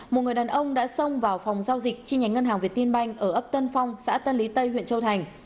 một người đàn ông đã xông vào phòng giao dịch chi nhánh ngân hàng việt tin banh ở ấp tân phong xã tân lý tây huyện châu thành